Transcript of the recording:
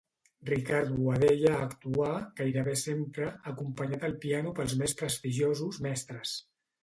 Ricard Boadella actuà, gairebé sempre, acompanyat al piano pels més prestigiosos mestres.